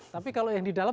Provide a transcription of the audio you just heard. tapi kalau yang di dalam